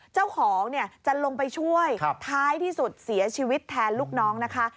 เจ้าของเนี่ยจะลงไปช่วยท้ายที่สุดเสียชีวิตแทนลูกน้องนะคะ